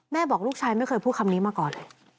บอกลูกชายไม่เคยพูดคำนี้มาก่อน